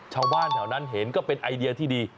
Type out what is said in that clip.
ชาวบ้านแถวนั้นเห็นก็เป็นไอเดียที่ดี